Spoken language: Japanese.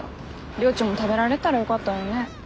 りょーちんも食べられたらよかったのにね。